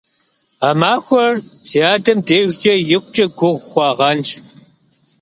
А махуэр си адэм дежкӀэ икъукӀэ гугъу хъуагъэнщ.